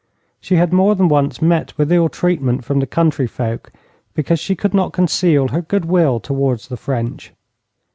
She had more than once met with ill treatment from the country folk because she could not conceal her good will towards the French.